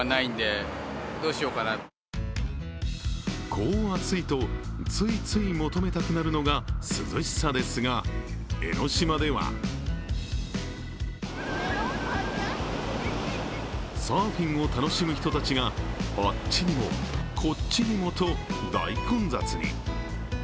こう暑いと、ついつい求めたくなるのが涼しさですが、江の島ではサーフィンを楽しむ人たちがあっちにも、こっちにもと大混雑に。